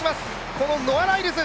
このノア・ライルズ。